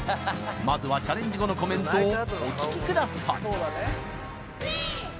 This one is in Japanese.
まずはチャレンジ後のコメントをお聞きください